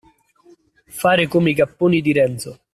Fare come i capponi di Renzo.